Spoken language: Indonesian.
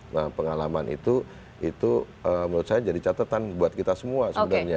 nah pengalaman itu itu menurut saya jadi catatan buat kita semua sebenarnya